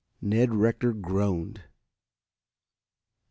Ned Rector groaned.